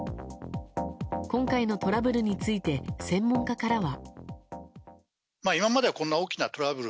今回のトラブルについて専門家からは。